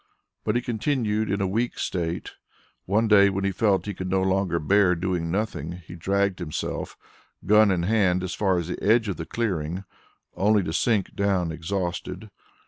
But he continued in a weak state. One day, when he felt he could no longer bear doing nothing, he dragged himself, gun in hand, as far as the edge of the clearing, only to sink down exhausted.